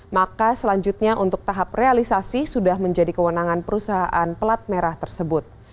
maka selanjutnya untuk tahap realisasi sudah menjadi kewenangan perusahaan pelat merah tersebut